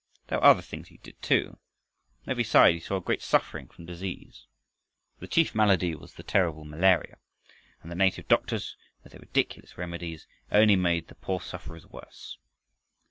There were other things he did, too. On every side he saw great suffering from disease. The chief malady was the terrible malaria, and the native doctors with their ridiculous remedies only made the poor sufferers worse.